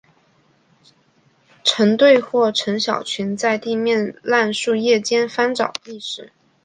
成对或成小群在地面烂树叶间翻找觅食。